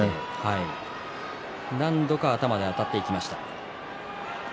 何度か頭であたっていきました。